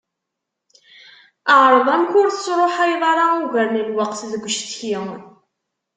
Ԑreḍ amek ur tersruḥayeḍ ugar n lweqt deg ucetki.